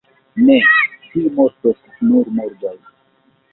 Ne, ci mortos nur morgaŭ.